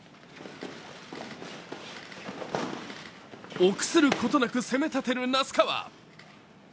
臆することなく攻めたてる那須川。